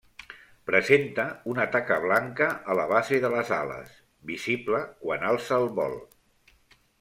Presenta una taca blanca a la base de les ales, visible quan alça el vol.